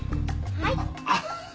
はい。